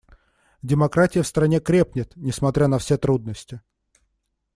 Демократия в стране крепнет, несмотря на все трудности.